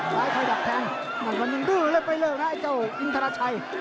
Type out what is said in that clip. ยังคงดื้อเร่บไปเลิกนะเจ้าอินทราชัย